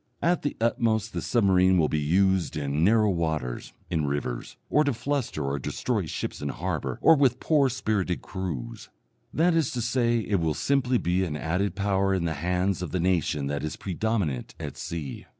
At the utmost the submarine will be used in narrow waters, in rivers, or to fluster or destroy ships in harbour or with poor spirited crews that is to say, it will simply be an added power in the hands of the nation that is predominant at sea.